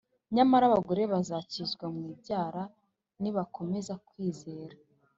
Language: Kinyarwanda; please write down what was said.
Nyamara abagore bazakizwa mu ibyara nibakomeza kwizera